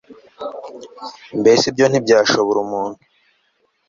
mbese ibyo ntibyashora umuntu